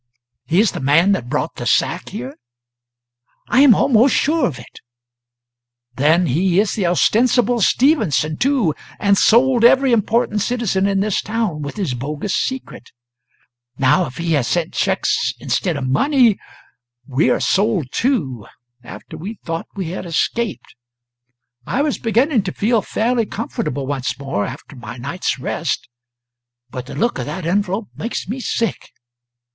"He is the man that brought the sack here?" "I am almost sure of it." "Then he is the ostensible Stephenson too, and sold every important citizen in this town with his bogus secret. Now if he has sent cheques instead of money, we are sold too, after we thought we had escaped. I was beginning to feel fairly comfortable once more, after my night's rest, but the look of that envelope makes me sick.